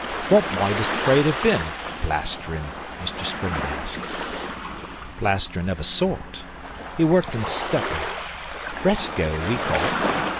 'What might his trade have been plastering' Mr Springett asked. 'Plastering of a sort. He worked in stucco fresco we call it.